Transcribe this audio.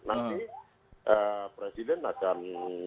nanti presiden akan